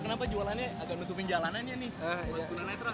kenapa jualannya agak nutupin jalanannya nih buat tuna netra